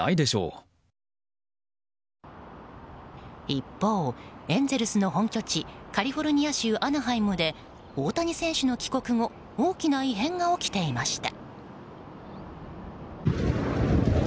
一方、エンゼルスの本拠地カリフォルニア州アナハイムで大谷選手の帰国後大きな異変が起きていました。